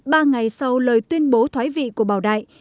ba ngày sau lời tuyên bố thoái vị của bảo đại